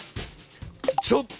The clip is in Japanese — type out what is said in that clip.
ちょっと！